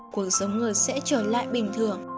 cuộc sống người sẽ trở lại bình thường